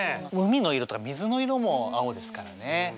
海の色とか水の色も青ですからね。